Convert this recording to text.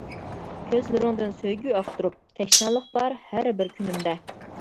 كۆزلىرىڭدىن سۆيگۈ ئاختۇرۇپ، تەشنالىق بار ھەر بىر كۈنۈمدە.